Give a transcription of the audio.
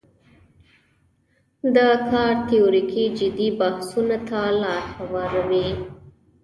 دا کار تیوریکي جدي بحثونو ته لاره هواروي.